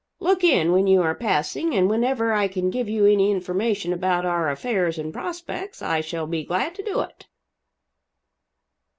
Look in, when you are passing; and whenever I can give you any information about our affairs and prospects, I shall be glad to do it."